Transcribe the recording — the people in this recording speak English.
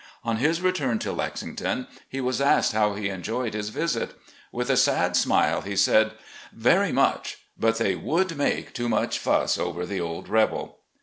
On his return to Lexington, he was asked how he enjoyed his visit. With a sad smile, he said: "Very much; but they would make too much fuss over the old rebel."